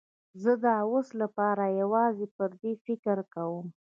زه د اوس لپاره یوازې پر دې فکر کوم.